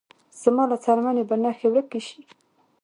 زما له څرمنې به نخښې ورکې شې